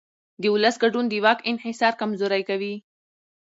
د ولس ګډون د واک انحصار کمزوری کوي